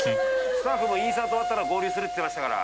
スタッフもインサート終わったら合流するって言ってましたから。